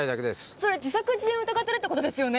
それ自作自演を疑ってるってことですよね